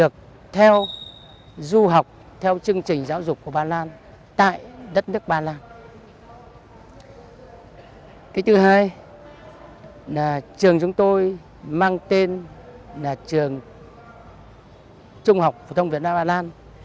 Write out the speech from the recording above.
cái thứ hai là trường chúng tôi mang tên là trường trung học phổ thông việt nam hà lan